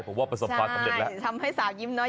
ใช่ทำให้สาวยิ้มกันนะ